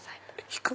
引く？